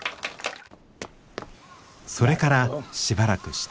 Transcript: それからしばらくして。